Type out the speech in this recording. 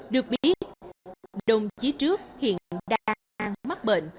được biết đồng chí trước hiện đang mắc bệnh